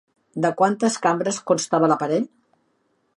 De quantes cambres constava l'aparell?